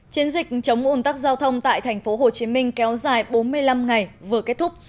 chiến dịch chống ủn tắc giao thông tại tp hcm kéo dài bốn mươi năm ngày vừa kết thúc